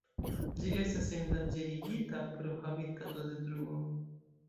Ĝi estas endanĝerigita pro habitatodetruo.